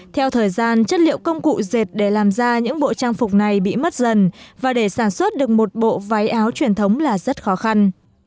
theo thời gian chất liệu công cụ dệt để làm ra những bộ trang phục này bị mất dần và để sản xuất được một bộ váy áo truyền thống là rất khó khăn